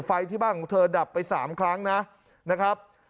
ไฟที่บ้านของเธอดับไป๓ครั้งนะครับ